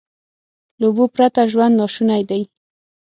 له اوبو پرته ژوند ناشونی دی.